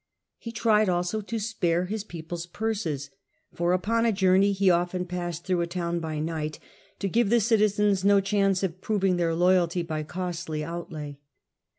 He tried also to spare his people^s purses, for upon a jour ney he often passed through a town by night, to give — a.d. 14. Augiistus. 21 the citizens no chance of proving tlieir loyalty by costly outlay.